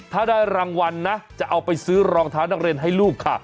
ถ้าได้รางวัลนะจะเอาไปซื้อรองเท้านักเรียนให้ลูกค่ะ